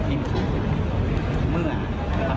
เราบอกเขาว่าเรื่องเล็กแต่น้อย